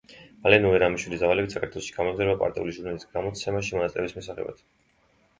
მალე ნოე რამიშვილის დავალებით საქართველოში გამოემგზავრა პარტიული ჟურნალის გამოცემაში მონაწილეობის მისაღებად.